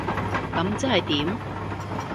噉即係點？